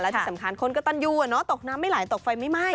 และที่สำคัญคนกะตันยูกะเนอะตกน้ำไม่หลายตกไฟไม่ไหม้